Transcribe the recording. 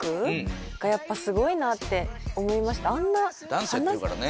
ダンスやってるからね。